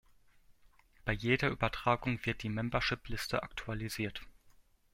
Bei jeder Übertragung wird die Membership-Liste aktualisiert.